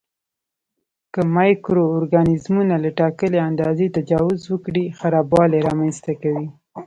که مایکرو ارګانیزمونه له ټاکلي اندازې تجاوز وکړي خرابوالی رامینځته کوي.